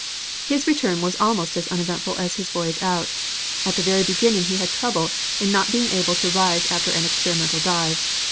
His return was almost as uneventful as his voyage out. At the very beginning he had trouble in not being able to rise after an experimental dive.